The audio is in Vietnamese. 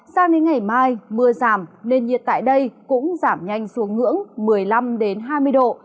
sang đến ngày mai mưa giảm nền nhiệt tại đây cũng giảm nhanh xuống ngưỡng một mươi năm hai mươi độ